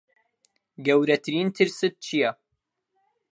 گەورەترین ترست چییە؟